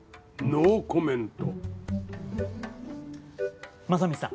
ノーコメント。